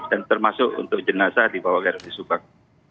dan termasuk untuk jenazah dibawa ke rsb subang